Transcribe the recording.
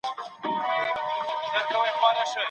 رسول الله علي ته د بېرته ستنېدو کوم دليل وړاندې کړ؟